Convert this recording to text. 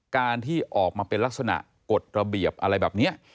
การที่ออกมาเป็นลักษณะกฎระเบียบอะไรแบบนี้